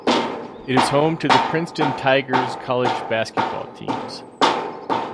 It is home to the Princeton Tigers college basketball teams.